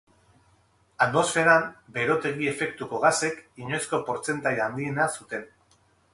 Atmosferan berotegi-efektuko gasek inoizko portzentaia handiena zuten.